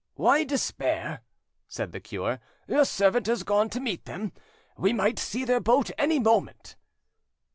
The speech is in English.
"Why despair?" said the cure. "Your servant has gone to meet them; we might see their boat any moment."